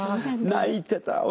泣いてた。